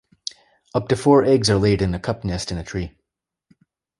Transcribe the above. Up to four eggs are laid in a cup nest in a tree.